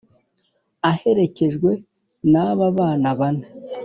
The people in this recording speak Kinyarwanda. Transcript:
aherekejwe naba bana bane.